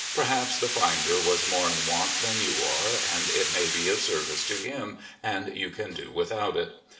Perhaps the finder was more in want than you are, and it may be of service to him, and you can do without it.